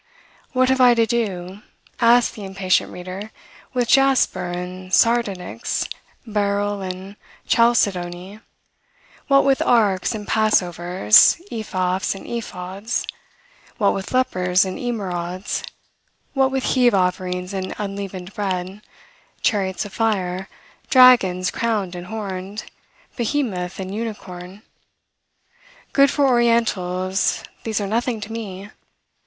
"What have I to do," asks the impatient reader, "with jasper and sardonyx, beryl and chalcedony; what with arks and passovers, ephahs and ephods; what with lepers and emerods; what with heave offerings and unleavened bread; chariots of fire, dragons crowned and horned, behemoth and unicorn? Good for orientals, these are nothing to me.